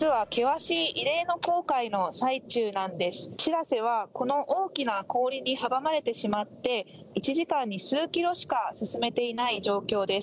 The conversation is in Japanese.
「しらせ」はこの大きな氷に阻まれてしまって１時間に数キロしか進めていない状況です。